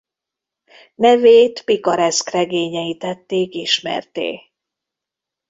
Nevét pikareszk regényei tették ismertté.